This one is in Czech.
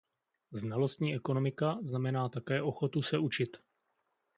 Znalostní ekonomika znamená také ochotu se učit.